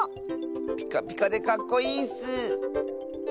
ピカピカでかっこいいッス！